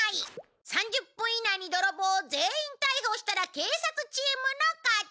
３０分以内に泥棒を全員逮捕したら警察チームの勝ち。